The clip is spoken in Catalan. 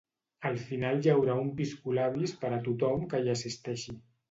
Al final hi haurà un piscolabis per a tothom qui hi assisteixi.